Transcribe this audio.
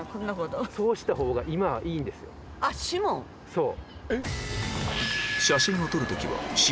そう。